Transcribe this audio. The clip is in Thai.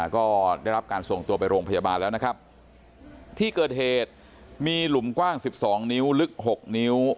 ก็ได้รับการส่งตัวไปโรงพยาบาลแล้วนะครับที่เกิดเหตุมีหลุมกว้างสิบสองนิ้วลึก๖นิ้ว